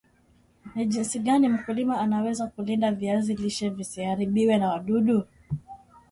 ni jinsi gani mkulima anaweza kulinda viazi lishe visiharibiwe na wadudu